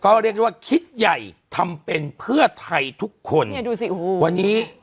ก็เรียกได้ว่าคิดใหญ่ทำเป็นเพื่อไทยทุกคนเนี่ยดูสิโอ้โหวันนี้